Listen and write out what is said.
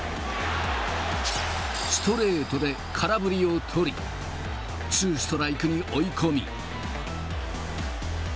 ストレートで空振りを取り、ツーストライクに追い込み。